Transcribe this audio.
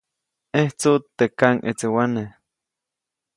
ʼẼjtsuʼt teʼ kaŋʼetsewane.